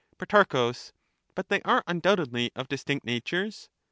Pro, But they are undoubtedly of distinct natures.